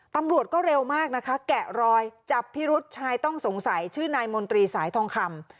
ตำรวจก็เร็วมากนะคะแกะรอยจับพิรุษชายต้องสงสัยชื่อนายมนตรีสายทองคำ